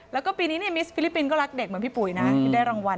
แล้วก็ปีนี้มิสฟิลิปปินส์ก็รักเด็กเหมือนพี่ปุ๋ยนะที่ได้รางวัล